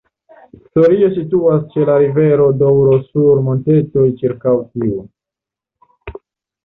Sorio situas ĉe la rivero Doŭro sur montetoj ĉirkaŭ tiu.